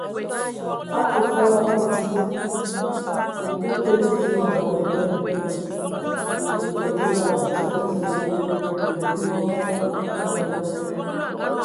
Akə fɔɔ o akə dili,o kə tele mvie mbɔn a ndoan, o ke kele ngoan a mvie a yob, o lig mɔngɔ etam a nda !